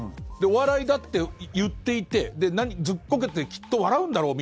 お笑いだって言っていてズッコケてきっと笑うんだろう